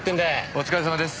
お疲れさまです。